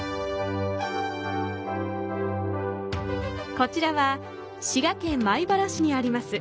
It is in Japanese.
こちらは滋賀県米原市にあります